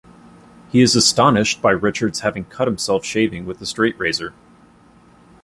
He is astonished by Richard's having cut himself shaving with a straight razor.